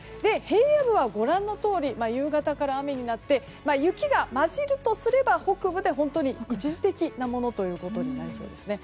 平野部はご覧のとおり夕方から雨になって雪が交じるとすれば北部で本当に一時的なものということになりそうです。